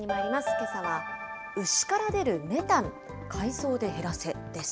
けさは牛から出るメタン海藻で減らせ！です。